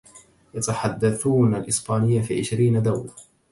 يتحدثون الإسبانية في عشرين دولة.